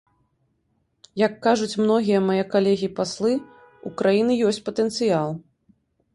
Як кажуць многія мае калегі-паслы, у краіны ёсць патэнцыял.